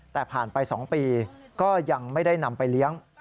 แต่ผ่านไป๒ปีก็ยังไม่ได้นำไปเลี้ยง